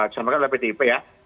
disampaikan oleh pdip ya